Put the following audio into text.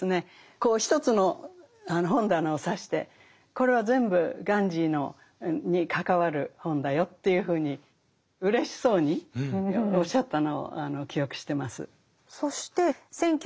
こう１つの本棚を指してこれは全部ガンジーに関わる本だよというふうにうれしそうにおっしゃったのを記憶してます。